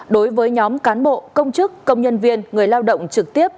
đối với nhóm cán bộ công chức công nhân viên người lao động trực tiếp